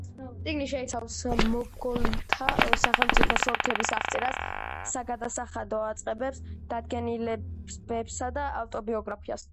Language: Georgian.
წიგნი შეიცავს მოგოლთა სახელმწიფოს ოლქების აღწერას, საგადასახადო უწყებებს, დადგენილებებსა და ავტობიოგრაფიას.